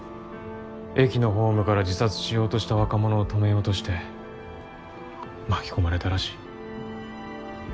駅のホームから自殺しようとした若者を止めようとして巻き込まれたらしい。